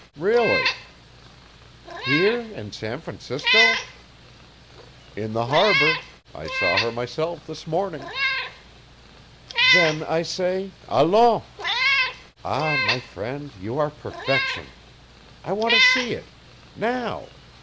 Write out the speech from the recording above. "Really." "Here in San Francisco?" "In the harbor. I saw her myself this morning." "Then I say allons! Ah, my friend, you are perfection! I want to see it. Now!